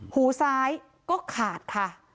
หูซ้ายก็ขาดค่ะ